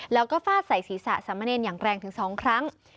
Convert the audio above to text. แล้วก็ฟาดใส่ศีรษะสามเณรอย่างแรงถึง๒ครั้ง